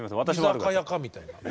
居酒屋かみたいな。